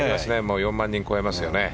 ４万人超えますよね。